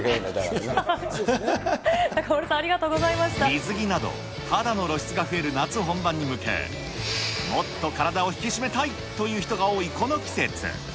中丸さん、ありがとうござい水着など、肌の露出が増える夏本番に向け、もっと体を引き締めたいという人が多いこの季節。